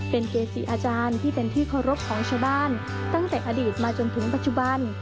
เป็นเกจิอาจารย์ที่เป็นที่เคารพของชาวบ้านตั้งแต่อดีตมาจนถึงปัจจุบัน